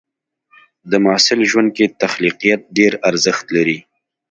د محصل ژوند کې تخلیقيت ډېر ارزښت لري.